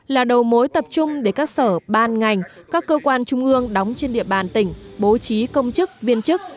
là đầu mối tập trung để các sở ban ngành các cơ quan trung ương đóng trên địa bàn tỉnh bố trí công chức viên chức